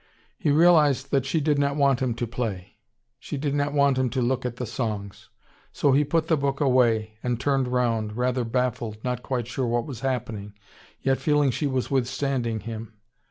He realised that she did not want him to play. She did not want him to look at the songs. So he put the book away, and turned round, rather baffled, not quite sure what was happening, yet feeling she was withstanding him.